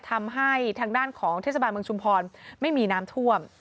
ทำให้ทางด้านของเทศบาลเมืองชุมพรไม่มีน้ำท่วม